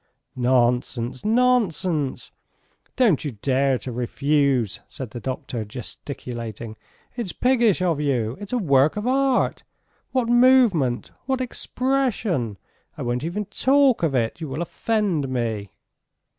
"Nonsense! Nonsense! Don't you dare to refuse!" said the doctor, gesticulating. "It's piggish of you! It's a work of art! ... What movement ... what expression! I won't even talk of it! You will offend me!"